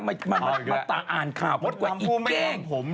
ไม่มาตารักคาวนึกว่าอีกแกง